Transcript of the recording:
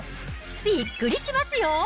びっくりしますよ。